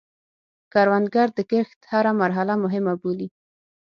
کروندګر د کښت هره مرحله مهمه بولي